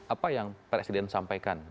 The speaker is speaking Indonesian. apa yang presiden sampaikan